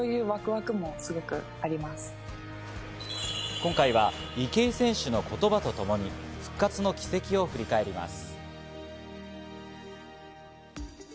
今回は池江選手の言葉とともに復活の軌跡を振り返ります。